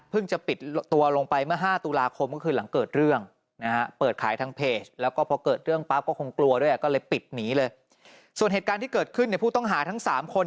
เพิ่งจะปิดตัวลงไปเมื่อ๕ตุลาคมก็คือหลังเกิดเรื่อง